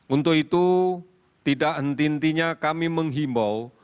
untuk itu tidak henti hentinya kami menghimbau